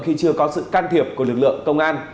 khi chưa có sự can thiệp của lực lượng công an